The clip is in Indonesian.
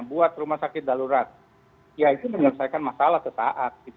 buat rumah sakit dalurat ya itu menyelesaikan masalah ketaat